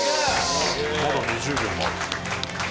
まだ２０秒もある。